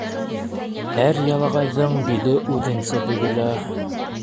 Һәр ялағайҙың биле үҙенсә бөгөлә.